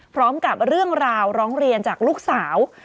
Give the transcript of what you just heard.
พร้อมกับเรื่องราวร้องเรียนจากลูกสาว